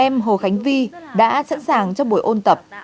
em hồ khánh vi đã sẵn sàng cho buổi ôn tập